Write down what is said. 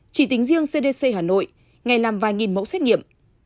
chỉ tính riêng cdc hà nội ngày làm vài nghìn mẫu xét nghiệm